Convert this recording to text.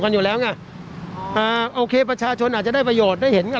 อยู่แล้วไงอ่าโอเคประชาชนอาจจะได้ประโยชน์ได้เห็นกัน